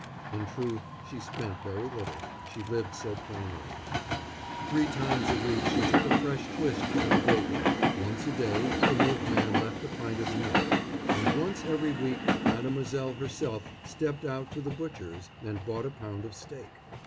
In truth, she spent very little—she lived so plainly. Three times a week she took a fresh twist from the baker, once a day, the milkman left a pint of milk, and once every week mademoiselle herself stepped out to the butcher's and bought a pound of steak.